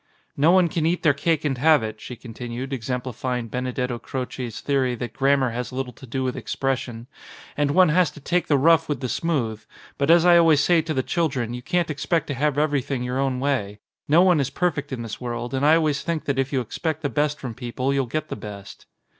"No one can eat their cake and have it," she continued, exemplifying Benedetto Croce's the ory that grammar has little to do with expression, "and one has to take the rough with the smooth, but as I always say to the children you can't ex pect to have everything your own way. No one is perfect in this world and I always think that if you expect the best from people you'll get the best."